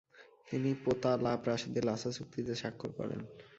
তিনি পোতালা প্রাসাদে লাসা চুক্তিতে স্বাক্ষর করেন।